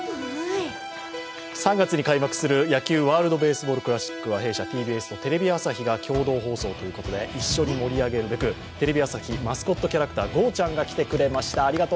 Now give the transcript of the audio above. ３月に開幕する野球、ワールドベースボールクラシックは弊社・ＴＢＳとテレビ朝日が共同放送ということで一緒に盛り上げるべく、テレビ朝日マスコットキャラクターゴーちゃんに来ていただきました。